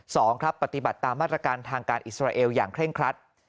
สองครับปฏิบัติตามมาตรการทางการอิสราเอลอย่างเคร่งครัด